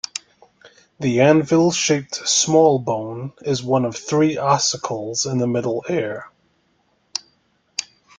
The anvil-shaped small bone is one of three ossicles in the middle ear.